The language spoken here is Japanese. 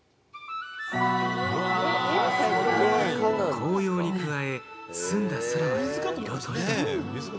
紅葉に加え、澄んだ空まで色とりどり。